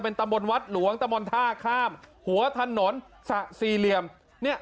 ตำบลวัดหลวงตะมนต์ท่าข้ามหัวถนนสะสี่เหลี่ยมเนี่ย